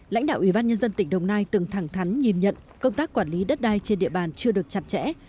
lãnh đạo ủy ban nhân dân tỉnh đồng nai từng thẳng thắn nhìn nhận công tác quản lý đất đai trên địa bàn chưa được chặt chẽ